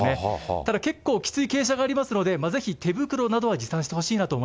ただ結構きつい傾斜がありますので、ぜひ手袋などは持参してほし